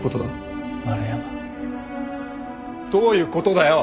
どういうことだよ！